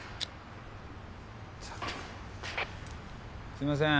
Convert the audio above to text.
すいません。